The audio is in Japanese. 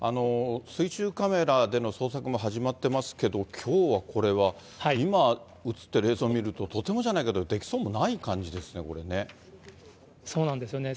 水中カメラでの捜索も始まってますけど、きょうはこれは、今、写ってる映像を見ると、とてもじゃないけどできそうもない感じでそうなんですよね。